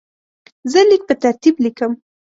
زه لیک په ترتیب لیکم.